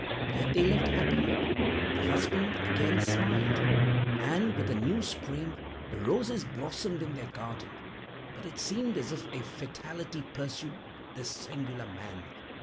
Yet they lived happily; the husband again smiled, and, with a new spring, the roses again blossomed in their garden. But it seemed as if a fatality pursued this singular man.